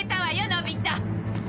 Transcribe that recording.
のび太。